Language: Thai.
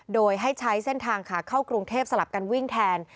โดยให้ใช้เส้นทางขาเข้ากรุงเทพสลับกันวิ่งแทน